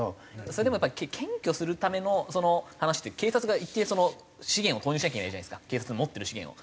それでも検挙するための話って警察が資源を投入しなきゃいけないじゃないですか警察が持ってる資源を。